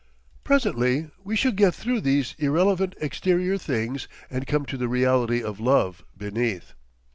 Presently we should get through these irrelevant exterior things, and come to the reality of love beneath.